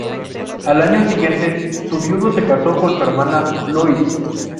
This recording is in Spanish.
Al año siguiente, su viudo se casó con su hermana Louise.